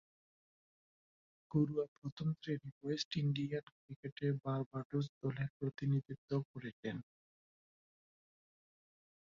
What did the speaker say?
ঘরোয়া প্রথম-শ্রেণীর West Indian ক্রিকেটে বার্বাডোস দলের প্রতিনিধিত্ব করছেন।